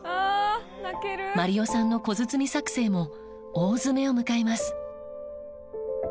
まりよさんの小包み作成も大詰めを迎えます。